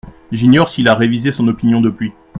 J’ignore s’il a révisé son opinion depuis.